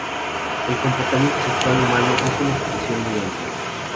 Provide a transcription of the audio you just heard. El comportamiento sexual humano es una expresión muy amplia.